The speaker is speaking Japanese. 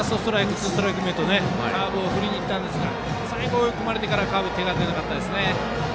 セカンドストライクカーブを振りにいったんですが最後追い込まれてからカーブ、手が出なかったですね。